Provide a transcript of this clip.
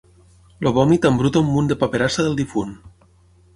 El vòmit embruta un munt de paperassa del difunt.